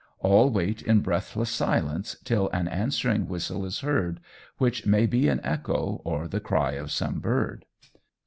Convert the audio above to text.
All wait in breathless silence till an answering whistle is heard, which may be an echo or the cry of some bird.